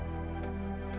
tidak ada apa apa